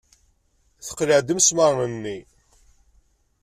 Teqleɛ-d imesmaṛen-nni.